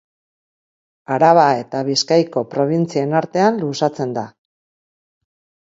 Araba eta Bizkaiko probintzien artean luzatzen da.